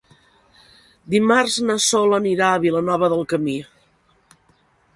Dimarts na Sol anirà a Vilanova del Camí.